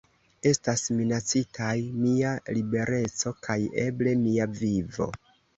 Estas minacitaj mia libereco kaj eble mia vivo.